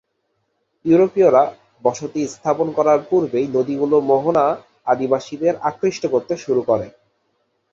ইউরোপীয়রা বসতি স্থাপন করার পূর্বেই নদীগুলোর মোহনা আদিবাসীদের আকৃষ্ট করতে শুরু করে।